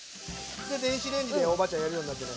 で電子レンジでおばあちゃんやるようになってね。